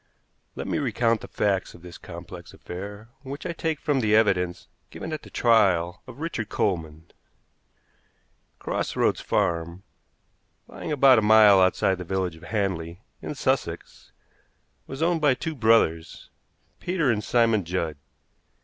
Let me recount the facts of this complex affair, which I take from the evidence given at the trial of Richard Coleman. Cross Roads Farm, lying about a mile outside the village of Hanley, in Sussex, was owned by two brothers, Peter and Simon Judd.